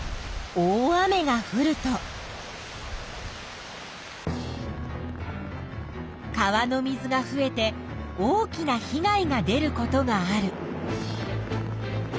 大雨がふると川の水が増えて大きな被害が出ることがある。